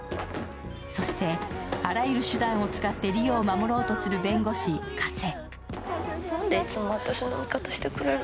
そして、あらゆる手段を使って梨央を守ろうとする弁護士・加瀬。